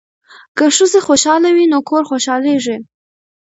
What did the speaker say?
که ښځې خوشحاله وي نو کور خوشحالیږي.